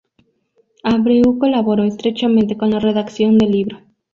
Abreu colaboró estrechamente con la redacción del libro.